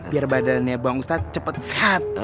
biar badannya bang ustadz cepet sehat